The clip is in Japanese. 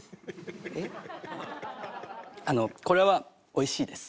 あのこれはおいしいです。